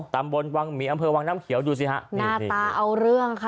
ตำบลวังหมีอำเภอวังน้ำเขียวดูสิฮะหน้าตาเอาเรื่องค่ะ